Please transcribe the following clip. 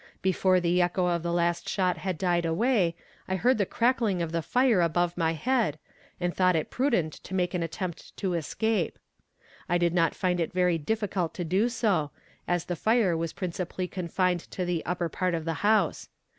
Before the echo of the last shot had died away I heard the crackling of the fire above my head, and thought it prudent to make an attempt to escape. I did not find it very difficult to do so, as the fire was principally confined to the upper part of the house.